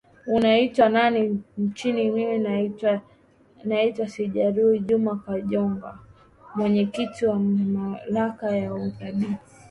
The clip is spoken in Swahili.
unaitwa nani nchini mimi naitwa siraju juma kaboyonga mwenyekiti wa mamlaka ya uthibiti